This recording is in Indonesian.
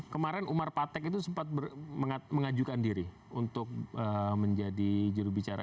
kemarin umar patek itu sempat mengajukan diri untuk menjadi jurubicara